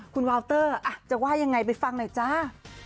คุณวาวเตอร์จะว่ายังไงไปฟังหน่อยจ้า